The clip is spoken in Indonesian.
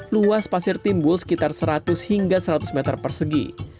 luas pasir timbul sekitar seratus hingga seratus meter persegi